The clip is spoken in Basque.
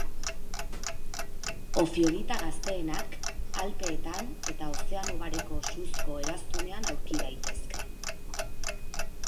Ofiolita gazteenak, alpeetan eta ozeano bareko suzko eraztunean aurki daitezke.